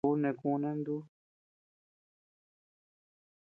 Ú neʼe kuna ndúu.